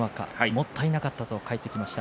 もったいなかったと帰ってきました。